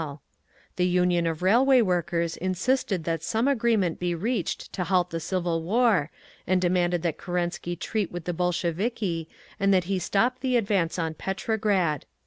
_ The Union of Railway Workers insisted that some agreement be reached to halt the civil war, and demanded that Kerensky treat with the Bolsheviki, and that he stop the advance on Petrograd.